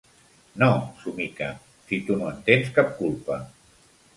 No —somica—, si tu no en tens cap culpa.